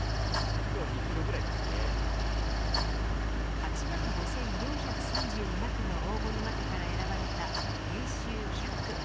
８万５４３７句の応募の中から選ばれた優秀１００句。